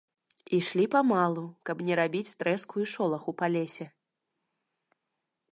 Ішлі памалу, каб не рабіць трэску і шолаху па лесе.